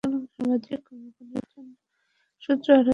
সূত্র আরও জানায়, সালমান এখন সোনাক্ষীর সঙ্গে কাজ করতে আগ্রহী নন।